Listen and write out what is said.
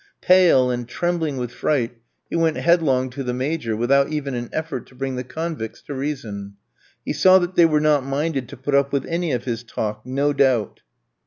Pale, and trembling with fright, he went headlong to the Major, without even an effort to bring the convicts to reason. He saw that they were not minded to put up with any of his talk, no doubt.